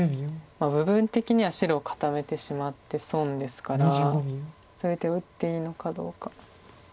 部分的には白を固めてしまって損ですからそういう手を打っていいのかどうか。